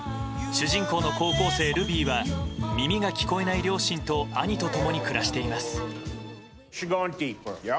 主人公の高校生、ルビーは耳が聞こえない両親と兄と共に暮らしています。